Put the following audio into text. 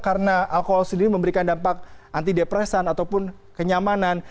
karena alkohol sendiri memberikan dampak antidepresan ataupun kenyamanan